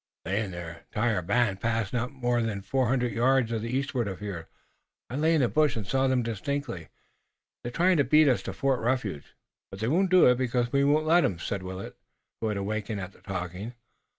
"They and their entire band passed not more than four hundred yards to the eastward of us. I lay in the bush and saw them distinctly. They're trying to beat us to Fort Refuge." "But they won't do it, because we won't let 'em," said Willet, who had awakened at the talking.